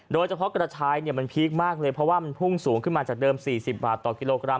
โดยเฉพาะกระชายเนี่ยมันพีคมากเลยเพราะว่ามันพุ่งสูงขึ้นมาจากเดิม๔๐บาทต่อกิโลกรัม